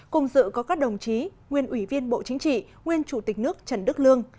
cùng dự có các đồng chí nguyên ủy viên bộ chính trị nguyên chủ tịch nước trần đức lương